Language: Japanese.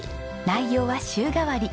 内容は週替わり。